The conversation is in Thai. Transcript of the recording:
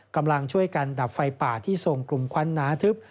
กำลังช่วยกันดับไฟป่าที่ส่งกลุ่มควันหนาทึบ